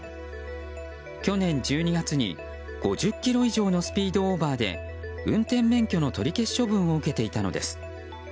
去年１２月に５０キロ以上のスピードオーバーで運転免許の取り消し処分を受けていたのです。